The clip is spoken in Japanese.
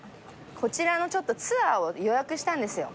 こちらのツアーを予約したんですよ。